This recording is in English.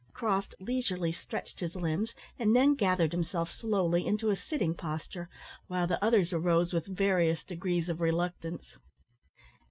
Croft leisurely stretched his limbs, and then gathered himself slowly into a sitting posture, while the others arose with various degrees of reluctance.